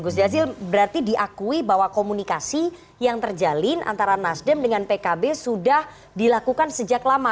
gus jazil berarti diakui bahwa komunikasi yang terjalin antara nasdem dengan pkb sudah dilakukan sejak lama